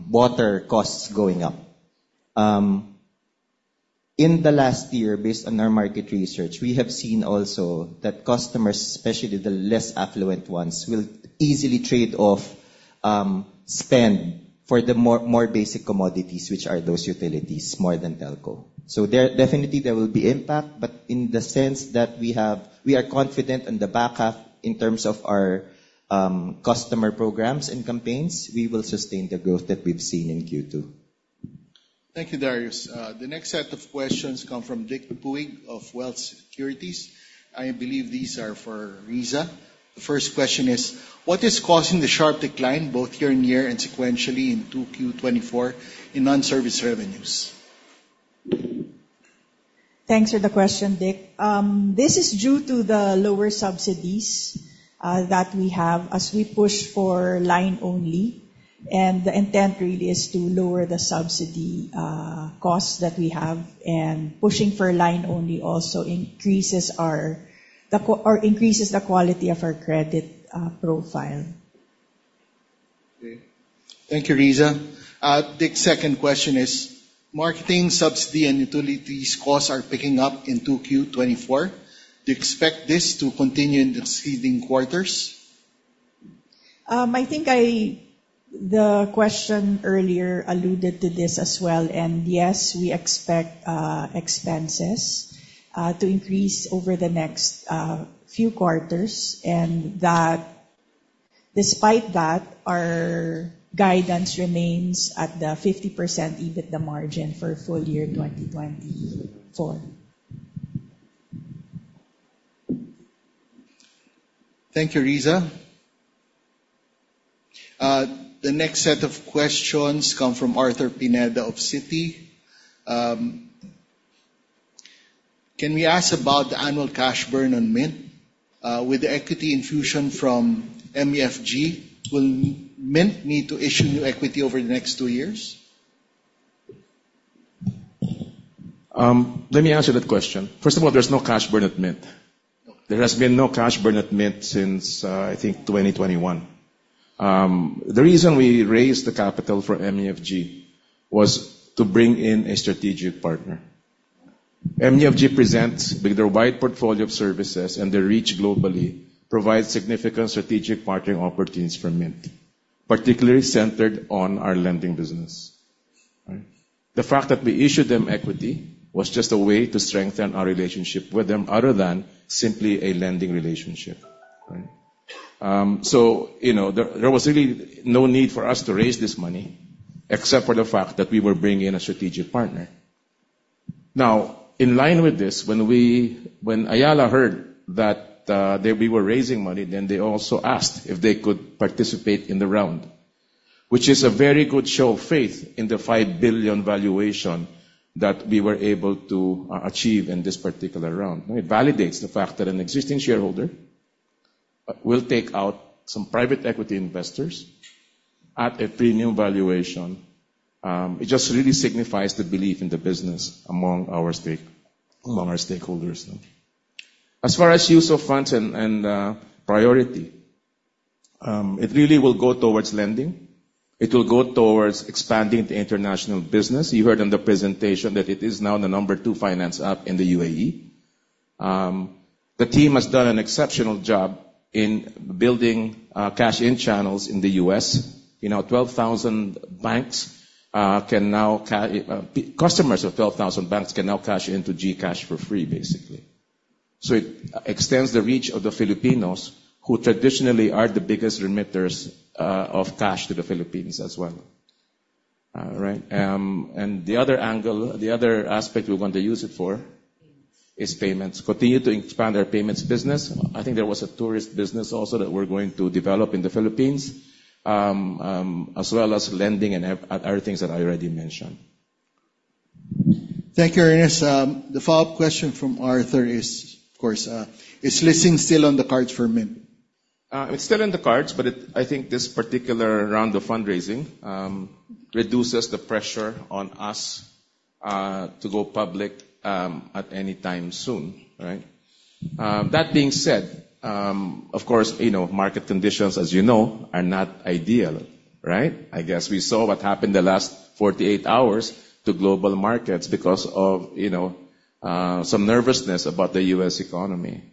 water costs going up. In the last year, based on our market research, we have seen also that customers, especially the less affluent ones, will easily trade off, spend for the more, more basic commodities, which are those utilities, more than telco. So there definitely, there will be impact, but in the sense that we have we are confident in the back half in terms of our, customer programs and campaigns, we will sustain the growth that we've seen in Q2. Thank you, Darius. The next set of questions come from Dick Pepuig of Wealth Securities. I believe these are for Rizza. The first question is: What is causing the sharp decline, both year-over-year and sequentially in 2Q 2024, in non-service revenues? Thanks for the question, Dick. This is due to the lower subsidies that we have as we push for line only, and the intent really is to lower the subsidy cost that we have. And pushing for line only also increases the quality of our credit profile. Okay. Thank you, Rizza. Dick's second question is: Marketing subsidy and utilities costs are picking up in 2Q 2024. Do you expect this to continue in the succeeding quarters? I think the question earlier alluded to this as well, and yes, we expect expenses to increase over the next few quarters, and that despite that, our guidance remains at the 50%, even the margin for full year 2024. Thank you, Rizza. The next set of questions come from Arthur Pineda of Citi. Can we ask about the annual cash burn on Mynt? With the equity infusion from MUFG, will Mynt need to issue new equity over the next two years? Let me answer that question. First of all, there's no cash burn at Mynt. There has been no cash burn at Mynt since, I think 2021. The reason we raised the capital for MUFG was to bring in a strategic partner. MUFG presents with their wide portfolio of services, and their reach globally provides significant strategic partnering opportunities for Mynt, particularly centered on our lending business. All right? The fact that we issued them equity was just a way to strengthen our relationship with them, other than simply a lending relationship. So, you know, there, there was really no need for us to raise this money, except for the fact that we were bringing in a strategic partner. Now, in line with this, when Ayala heard that we were raising money, then they also asked if they could participate in the round, which is a very good show of faith in the $5 billion valuation that we were able to achieve in this particular round. It validates the fact that an existing shareholder will take out some private equity investors at a premium valuation. It just really signifies the belief in the business among our stakeholders. As far as use of funds and priority, it really will go towards lending. It will go towards expanding the international business. You heard in the presentation that it is now the number two finance app in the UAE. The team has done an exceptional job in building cash-in channels in the U.S. You know, 12,000 banks, customers of 12,000 banks can now cash into GCash for free, basically. So it extends the reach of the Filipinos, who traditionally are the biggest remitters, of cash to the Philippines as well. Right. And the other angle, the other aspect we're going to use it for is payments. Continue to expand our payments business. I think there was a tourist business also that we're going to develop in the Philippines, as well as lending and other things that I already mentioned. Thank you, Ernest. The follow-up question from Arthur is, of course: Is listing still on the cards for Mynt? It's still in the cards, but I think this particular round of fundraising reduces the pressure on us to go public at any time soon, right? That being said, of course, you know, market conditions, as you know, are not ideal, right? I guess we saw what happened the last 48 hours to global markets because of, you know, some nervousness about the U.S. economy.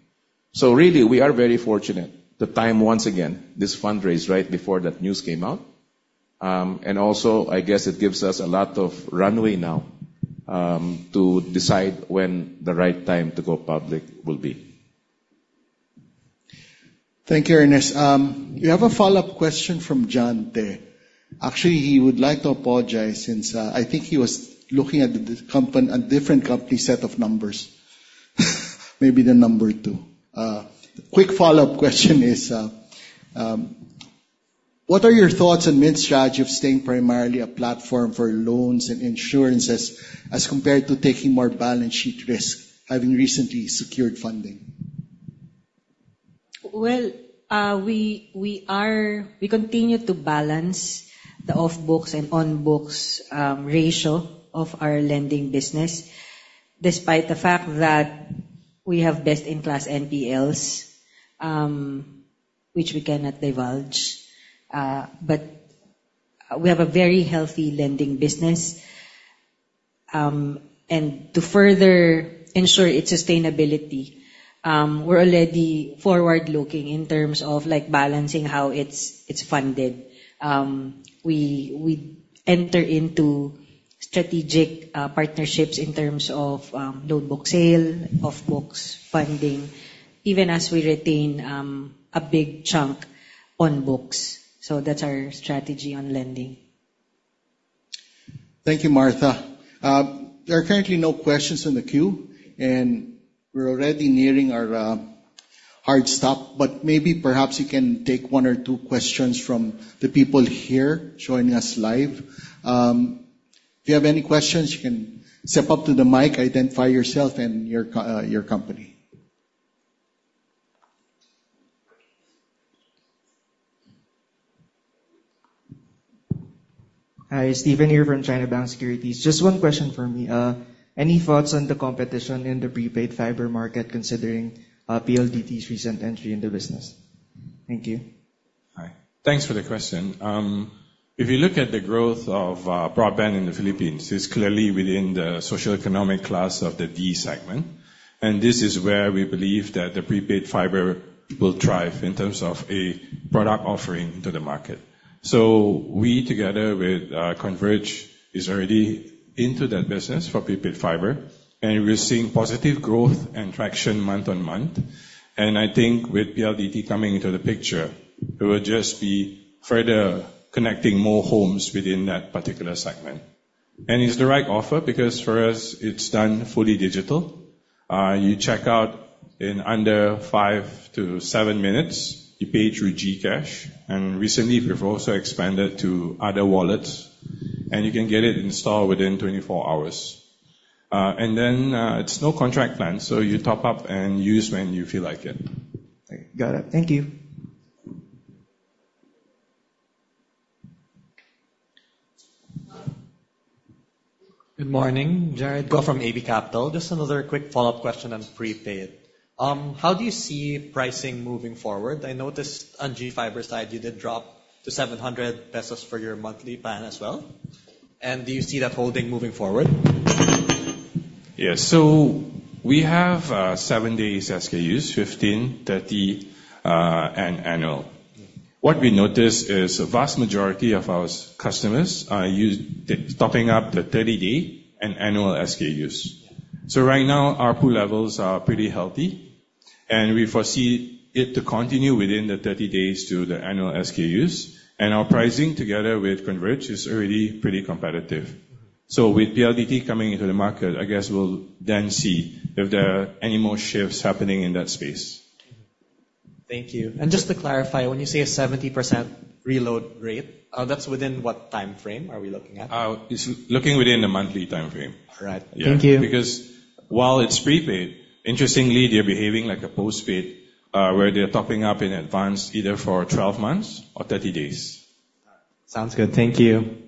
So really, we are very fortunate to time, once again, this fundraise right before that news came out. And also, I guess it gives us a lot of runway now to decide when the right time to go public will be. Thank you, Ernest. You have a follow-up question from John Te. Actually, he would like to apologize since, I think he was looking at a different company set of numbers. Maybe the number two. The quick follow-up question is: What are your thoughts on Mynt's strategy of staying primarily a platform for loans and insurances as compared to taking more balance sheet risk, having recently secured funding? Well, we continue to balance the off-books and on-books ratio of our lending business, despite the fact that we have best-in-class NPLs, which we cannot divulge. But-... we have a very healthy lending business. And to further ensure its sustainability, we're already forward-looking in terms of, like, balancing how it's funded. We enter into strategic partnerships in terms of loan book sale, off-books funding, even as we retain a big chunk on books. So that's our strategy on lending. Thank you, Martha. There are currently no questions in the queue, and we're already nearing our hard stop, but maybe perhaps you can take one or two questions from the people here joining us live. If you have any questions, you can step up to the mic, identify yourself and your company. Hi, Steven here from China Bank Securities. Just one question for me. Any thoughts on the competition in the prepaid fiber market, considering, PLDT's recent entry in the business? Thank you. Hi. Thanks for the question. If you look at the growth of broadband in the Philippines, it's clearly within the socioeconomic class of the D segment, and this is where we believe that the prepaid fiber will thrive in terms of a product offering to the market. So we, together with Converge, is already into that business for prepaid fiber, and we're seeing positive growth and traction month-on-month. And I think with PLDT coming into the picture, it will just be further connecting more homes within that particular segment. And it's the right offer because, for us, it's done fully digital. You check out in under 5-7 minutes, you pay through GCash, and recently, we've also expanded to other wallets, and you can get it installed within 24 hours. And then, it's no contract plan, so you top up and use when you feel like it. Got it. Thank you. Good morning, Jared Go from AB Capital. Just another quick follow-up question on prepaid. How do you see pricing moving forward? I noticed on GFiber side, you did drop to 700 pesos for your monthly plan as well, and do you see that holding moving forward? Yes. So we have seven days SKUs, 15, 30, and annual. What we noticed is a vast majority of our customers are topping up the 30-day and annual SKUs. So right now, our pool levels are pretty healthy, and we foresee it to continue within the 30 days to the annual SKUs, and our pricing, together with Converge, is already pretty competitive. So with PLDT coming into the market, I guess we'll then see if there are any more shifts happening in that space. Thank you. And just to clarify, when you say a 70% reload rate, that's within what time frame are we looking at? It's looking within the monthly time frame. All right. Yeah. Thank you. Because while it's prepaid, interestingly, they're behaving like a postpaid, where they're topping up in advance, either for 12 months or 30 days. Sounds good. Thank you.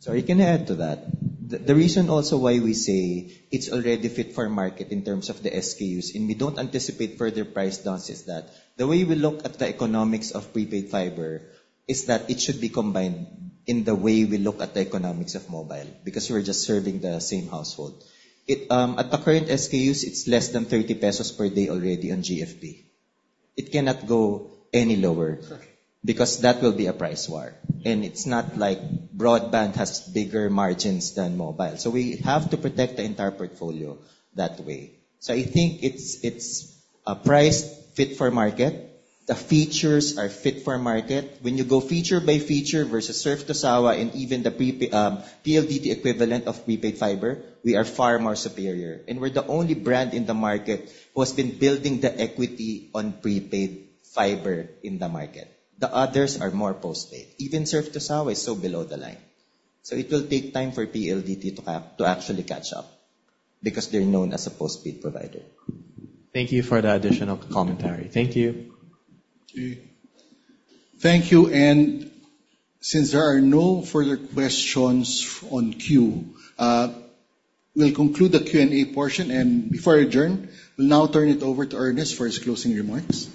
Sorry, can I add to that? The reason also why we say it's already fit for market in terms of the SKUs, and we don't anticipate further price downs, is that the way we look at the economics of prepaid fiber is that it should be combined in the way we look at the economics of mobile, because we're just serving the same household. It, at the current SKUs, it's less than 30 pesos per day already on GFP. It cannot go any lower- Sure.... because that will be a price war, and it's not like broadband has bigger margins than mobile. So we have to protect the entire portfolio that way. So I think it's a price fit for market. The features are fit for market. When you go feature by feature versus Surf2Sawa and even the prepaid PLDT equivalent of prepaid fiber, we are far more superior, and we're the only brand in the market who has been building the equity on prepaid fiber in the market. The others are more postpaid. Even Surf2Sawa is so below the line. So it will take time for PLDT to actually catch up because they're known as a postpaid provider. Thank you for the additional commentary. Thank you. Okay. Thank you, and since there are no further questions on queue, we'll conclude the Q&A portion, and before I adjourn, we'll now turn it over to Ernest for his closing remarks.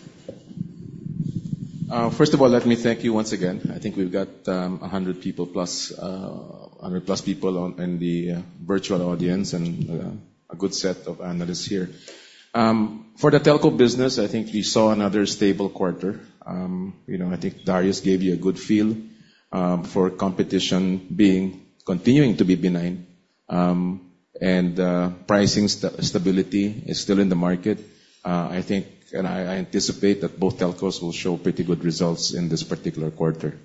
First of all, let me thank you once again. I think we've got 100 people plus, 100 plus people online in the virtual audience and a good set of analysts here. For the telco business, I think you saw another stable quarter. You know, I think Darius gave you a good feel for competition being continuing to be benign, and pricing stability is still in the market. I think and I anticipate that both telcos will show pretty good results in this particular quarter.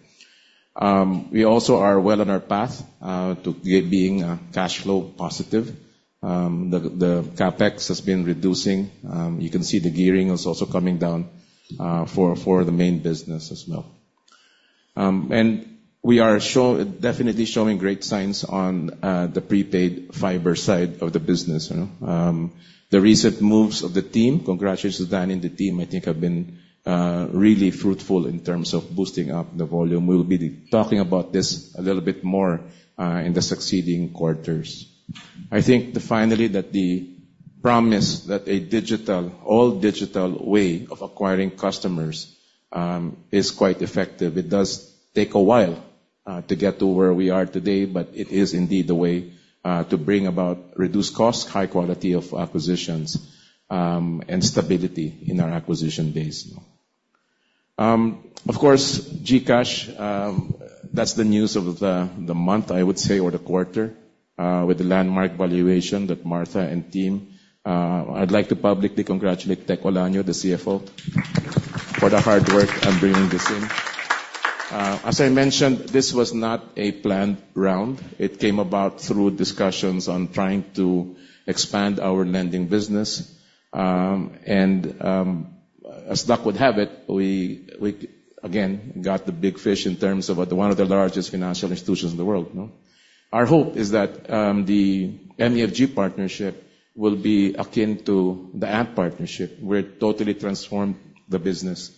We also are well on our path to being cash flow positive. The CapEx has been reducing. You can see the gearing is also coming down for the main business as well. We are definitely showing great signs on the prepaid fiber side of the business, you know? The recent moves of the team, congratulations to Dan and the team, I think have been really fruitful in terms of boosting up the volume. We'll be talking about this a little bit more in the succeeding quarters. ... I think, finally, that the promise that a digital, all digital way of acquiring customers, is quite effective. It does take a while, to get to where we are today, but it is indeed the way, to bring about reduced costs, high quality of acquisitions, and stability in our acquisition base. Of course, GCash, that's the news of the month, I would say, or the quarter, with the landmark valuation that Martha and team... I'd like to publicly congratulate Tek Olaño, the CFO, for the hard work on bringing this in. As I mentioned, this was not a planned round. It came about through discussions on trying to expand our lending business. As luck would have it, we again got the big fish in terms of one of the largest financial institutions in the world, no? Our hope is that the MUFG partnership will be akin to the app partnership, where it totally transformed the business.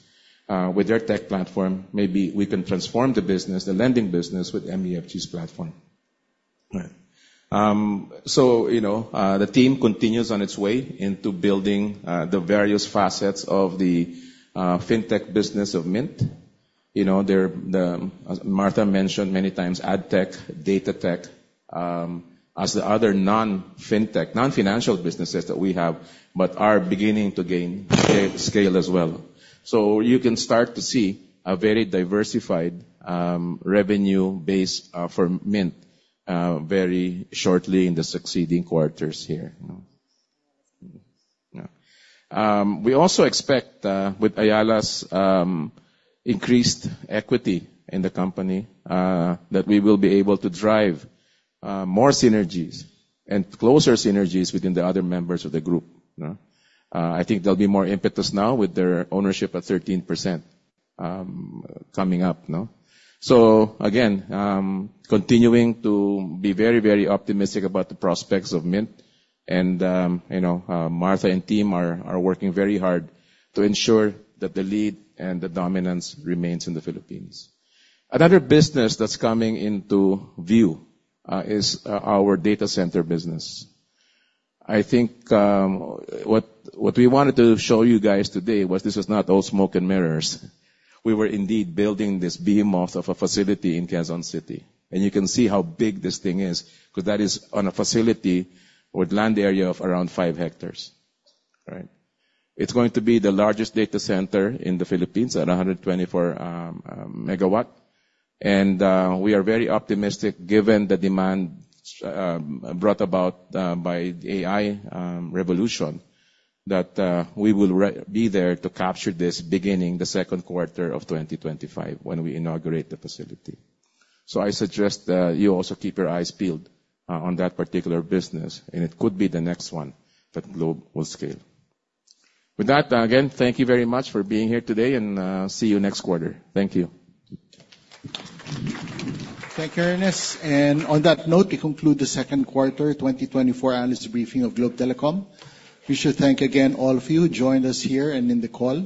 With their tech platform, maybe we can transform the business, the lending business, with MUFG's platform. All right. So, you know, the team continues on its way into building the various facets of the fintech business of Mynt. You know, there, the, as Martha mentioned many times, ad tech, data tech, as the other non-fintech, non-financial businesses that we have but are beginning to gain scale as well. So you can start to see a very diversified revenue base for Mynt very shortly in the succeeding quarters here, no? We also expect, with Ayala's increased equity in the company, that we will be able to drive more synergies and closer synergies within the other members of the group, no? I think there'll be more impetus now with their ownership at 13%, coming up, no? So again, continuing to be very, very optimistic about the prospects of Mynt, and you know, Martha and team are working very hard to ensure that the lead and the dominance remains in the Philippines. Another business that's coming into view is our data center business. I think what we wanted to show you guys today was this is not all smoke and mirrors. We were indeed building this behemoth of a facility in Quezon City, and you can see how big this thing is, because that is on a facility with land area of around five hectares, all right? It's going to be the largest data center in the Philippines at 124 MW. We are very optimistic, given the demand brought about by AI revolution, that we will be there to capture this beginning the second quarter of 2025 when we inaugurate the facility. So I suggest that you also keep your eyes peeled on that particular business, and it could be the next one that Globe will scale. With that, again, thank you very much for being here today, and see you next quarter. Thank you. Thank you, Ernest. On that note, we conclude the second quarter 2024 analyst briefing of Globe Telecom. We should thank again all of you who joined us here and in the call.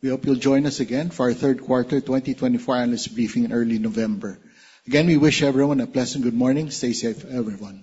We hope you'll join us again for our third quarter 2024 analyst briefing in early November. Again, we wish everyone a pleasant good morning. Stay safe, everyone.